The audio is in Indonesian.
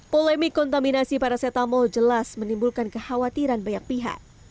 polemik kontaminasi paracetamol jelas menimbulkan kekhawatiran banyak pihak